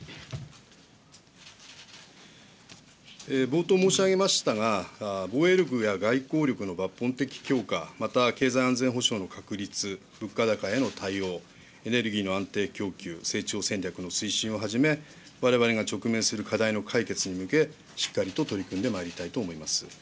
冒頭、申し上げましたが、防衛力や外交力の抜本的強化、また経済安全保障の確立、物価高への対応、エネルギーの安定供給、成長戦略の推進をはじめ、われわれが直面する課題の解決に向け、しっかりと取り組んでまいりたいと思います。